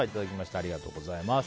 ありがとうございます。